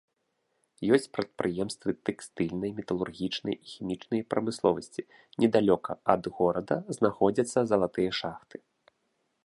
Ёсць прадпрыемствы тэкстыльнай, металургічнай і хімічнай прамысловасці, недалёка ад горада знаходзяцца залатыя шахты.